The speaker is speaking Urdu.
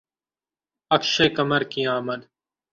اکشے کمار کی آمد